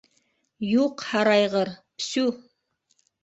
Юҡ һарайғыр, псю!